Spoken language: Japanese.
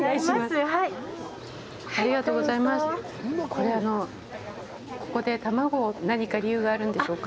これ、ここで卵を何か理由があるんでしょうか。